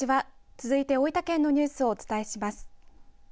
続いて大分県のニュースをお伝えします。